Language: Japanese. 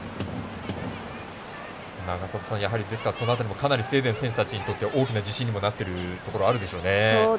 永里さん、ですから、その辺りスウェーデンの選手たちにとって大きな自信になっているところあるんでしょうね。